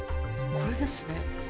これですね。